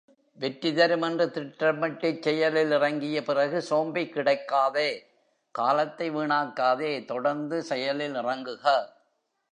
வெற்றி தரும் என்று திட்டமிட்டுச் செயலில் இறங்கிய பிறகு சோம்பிக் கிடக்காதே காலத்தை வீணாக்காதே தொடர்ந்து செயலில் இறங்குக.